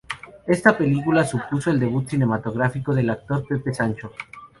Esta película supuso el debut cinematográfico del actor Pepe Sancho.